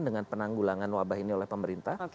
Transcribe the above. dengan penanggulangan wabah ini oleh pemerintah